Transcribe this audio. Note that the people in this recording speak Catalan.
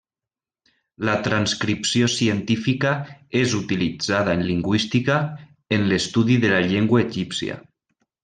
La transcripció científica és utilitzada en lingüística, en l'estudi de la llengua egípcia.